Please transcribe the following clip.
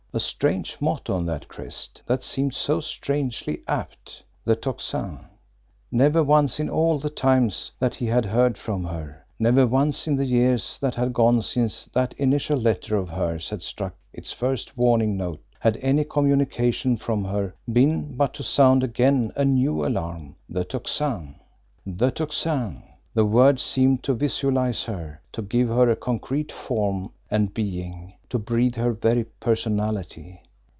A strange motto on that crest that seemed so strangely apt! The Tocsin! Never once in all the times that he had heard from her, never once in the years that had gone since that initial letter of hers had struck its first warning note, had any communication from her been but to sound again a new alarm the Toscin! The Tocsin the word seemed to visualise her, to give her a concrete form and being, to breathe her very personality.